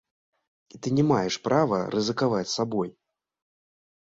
І ты не маеш права рызыкаваць сабой.